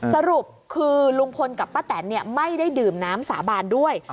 สรุปคือลุงพลกับป้าแตนไม่ได้ดื่มน้ำสาบานด้วย